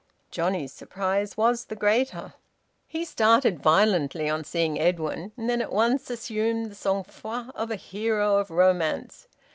Johnnie's surprise was the greater. He started violently on seeing Edwin, and then at once assumed the sang froid of a hero of romance.